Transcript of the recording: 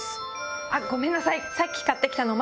あっごめんなさい。